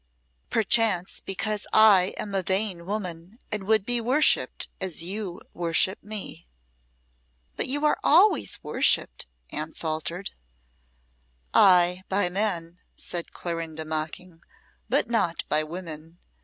"Perchance because I am a vain woman and would be worshipped as you worship me." "But you are always worshipped," Anne faltered. "Ay, by men!" said Clorinda, mocking; "but not by women.